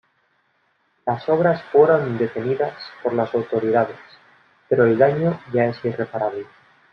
Las obras fueron detenidas por las autoridades pero el daño ya es irreparable.